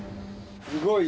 すごい。